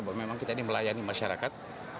bahwa memang kita ini melayani masyarakat